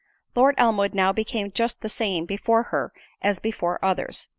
Lord Elmwood now became just the same before her as before others.